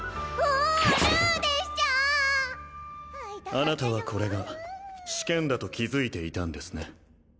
会いたかったぞあなたはこれが試験だと気づいていたんですね